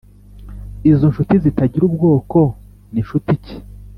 Izo nshuti zitagira ubwoko ni nshuti ki